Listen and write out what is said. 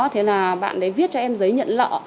thế là bạn ấy viết cho em giấy nhận lợ